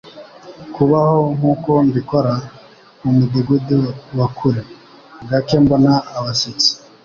Kubaho nkuko mbikora mumudugudu wa kure, gake mbona abashyitsi